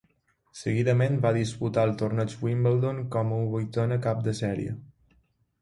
Seguidament va disputar el torneig Wimbledon com a vuitena cap de sèrie.